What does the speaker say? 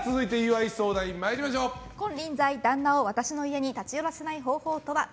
金輪際、旦那を私の家に立ち寄らせない方法とは？